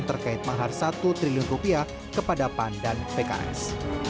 terkait mahar satu triliun rupiah kepada pan dan pks